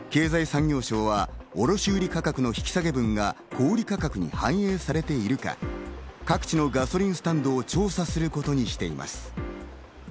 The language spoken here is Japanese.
経済産業省は卸売価格の引き下げ分が小売価格に反映されているか、各地のガソリンスタンドを調査することにしています。